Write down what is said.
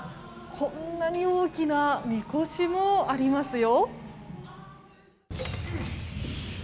こんなに大きなみこしもありますよ。